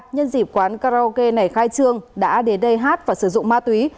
nhân dịp quán karaoke này khai trương đã đến đây hát và sử dụng ma túy